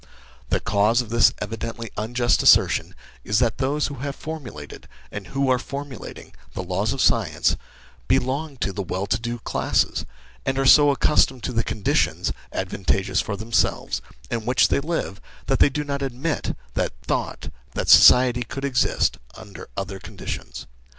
The cause of this evidently unjust assertion is that those who have formulated, and who are formulating, the laws of science, belong to the well to do classes, and are so accustomed to the conditions, advantageous for themselves, in which they live, that they do not admit the thought that society could exist under other conditions.